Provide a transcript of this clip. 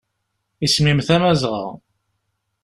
Isem-im Tamazɣa.